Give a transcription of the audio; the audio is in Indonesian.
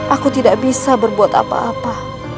aku tidak bisa berbuat apa apa